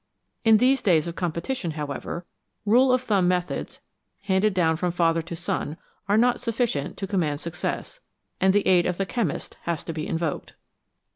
In these days of competition, however, rule of thumb methods, handed down from father to son, are not sufficient to command success, and the aid of the chemist has to be invoked.